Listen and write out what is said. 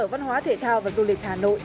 sở văn hóa thể thao và du lịch hà nội